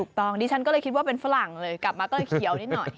ดิฉันก็เลยคิดว่าเป็นฝรั่งเลยกลับมาก็เลยเขียวนิดหน่อย